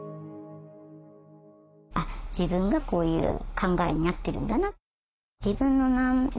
あっ自分がこういう考えになってるんだな。